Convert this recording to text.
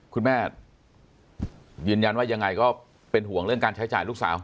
คุณแม่ยืนยันว่ายังไงก็เป็นห่วงเรื่องการใช้จ่ายลูกสาว